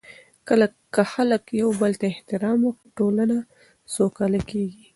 که خلک یو بل ته احترام ورکړي، ټولنه سوکاله کیږي.